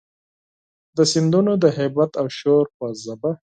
د سیندونو د هیبت او شور په ژبه،